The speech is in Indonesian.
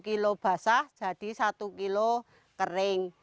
tujuh lima kg basah jadi satu kg kering